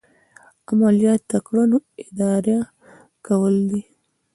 عملیات د کړنو اداره کول دي.